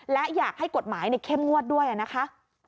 และอยากให้กฎหมายเข้มงวดด้วยนะคะ